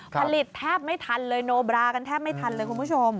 ผลิตแทบไม่ทันเลยโนบรากันแทบไม่ทันเลยคุณผู้ชม